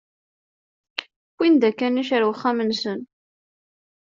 Wwin-d akanic ar wexxam-nsen.